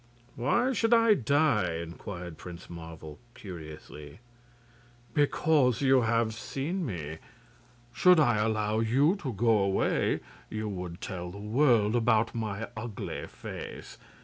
"Why should I die?" inquired Prince Marvel, curiously. "Because you have seen me. Should I allow you to go away you would tell the world about my ugly face.